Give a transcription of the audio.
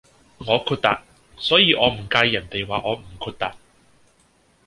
我豁達，所以我唔介意人地話我唔豁達